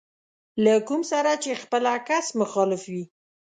له کوم سره چې خپله کس مخالف وي.